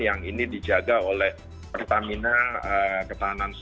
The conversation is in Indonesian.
yang ini dijaga oleh pertamina ketahanan